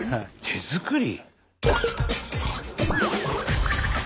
手作り？